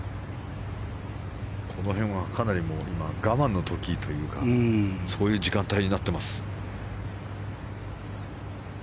この辺はかなりの我慢の時というかそういう時間帯になっています。